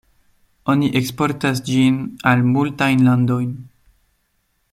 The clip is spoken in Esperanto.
Oni eksportas ĝin al multajn landojn.